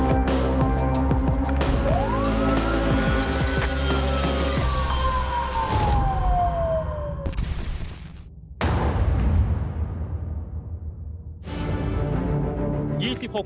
สวัสดีครับ